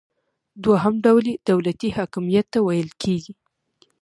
دوهم ډول یې دولتي حاکمیت ته ویل کیږي.